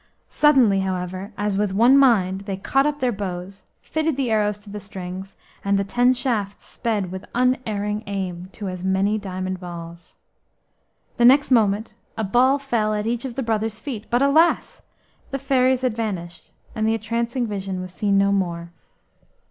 Suddenly, however, as with one mind, they caught up their bows, fitted the arrows to the strings, and the ten shafts sped with unerring aim to as many diamond balls. The next moment a ball fell at each of the brothers' feet, but alas! the fairies had vanished and the entrancing vision was seen no more.